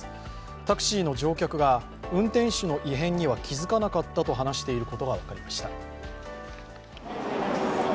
タクシーの乗客が、運転手の異変には気づかなかったと話していることが分かりました。